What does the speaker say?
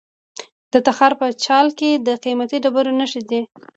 د تخار په چال کې د قیمتي ډبرو نښې دي.